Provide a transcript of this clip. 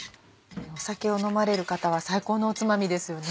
酒を飲まれる方は最高のおつまみですよね。